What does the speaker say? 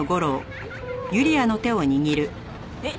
えっ！